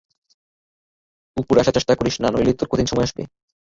উপরে আসার চেষ্টা করিস না, নইলে তোর কঠিন সময় আসবে।